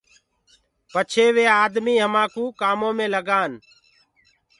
پڇي وي آمي همآڪوُ ڪآمو ڪمي لگآن۔